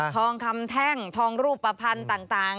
ทองคำแท่งทองรูปภัณฑ์ต่าง